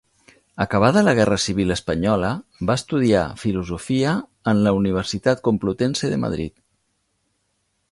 Acabada la Guerra Civil espanyola va estudiar Filosofia en la Universitat Complutense de Madrid.